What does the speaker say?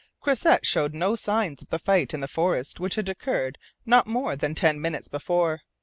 Croisset showed no signs of the fight in the forest which had occurred not more than ten minutes before.